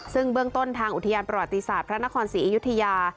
ซึ่งเบื้องต้นทางอุทยานประวัติศาสตร์พระนครศรีอยุธยา